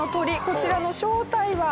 こちらの正体は。